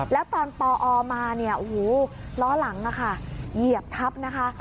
แล้วตอนปอมาล้อหลังเหยียบทับนะคะ